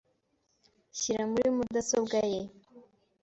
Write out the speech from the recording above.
Shyira muri mudasobwa ye